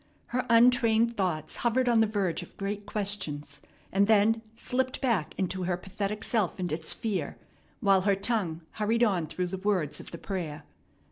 Her untrained thoughts hovered on the verge of great questions, and then slipped back into her pathetic self and its fear, while her tongue hurried on through the words of the prayer.